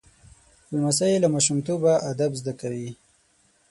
لمسی له ماشومتوبه ادب زده کوي.